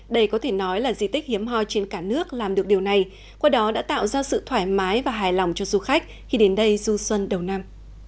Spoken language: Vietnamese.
đây có thể nói là di tích hiếm hoi trên cả nước làm được điều này qua đó đã tạo ra sự thoải mái và hài lòng cho du khách khi đến đây du xuân đầu năm